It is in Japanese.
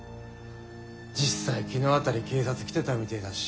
実際昨日辺り警察来てたみてえだし。